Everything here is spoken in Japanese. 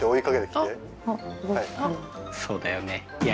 そうだよね。